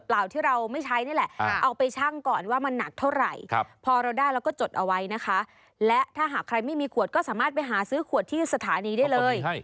และถ้าหากใครไม่มีขวดก็สามารถไปหาซื้อขวดที่สถานีได้เลย